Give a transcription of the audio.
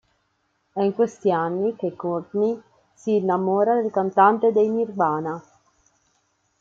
È in questi anni che Courtney si innamora del cantante dei Nirvana.